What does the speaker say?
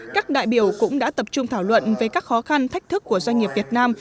các đại biểu cũng đã tập trung thảo luận về các khó khăn thách thức của doanh nghiệp việt nam